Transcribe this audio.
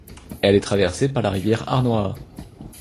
Elle est traversée par la rivière Arnoia.